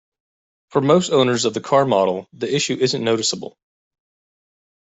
For most owners of the car model, the issue isn't noticeable.